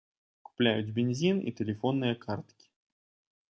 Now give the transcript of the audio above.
Купляюць бензін і тэлефонныя карткі.